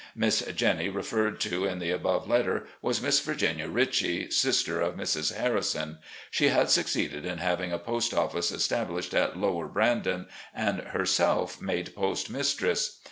Miss Jennie, referred to in the above letter, was Miss Virginia Ritchie, sister of Mrs. Harrison. She had succeeded in ha'ving a post office established at "Lower Brandon" and herself made postmistress.